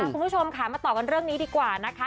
คุณผู้ชมค่ะมาต่อกันเรื่องนี้ดีกว่านะคะ